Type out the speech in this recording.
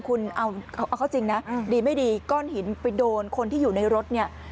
คุณเอาเข้าจริงนะดีไม่ดีก้อนหินไปโดนคนที่อยู่ในรถเนี่ย